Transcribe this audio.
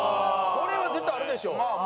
これは絶対あるでしょう。